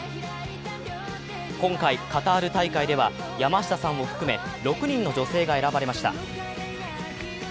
今回、カタール大会では山下さんを含め６人の女性が選ばれました。